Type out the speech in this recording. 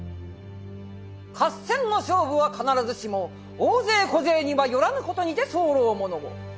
「合戦の勝負は必ずしも大勢小勢にはよらぬ事にて候ふものを。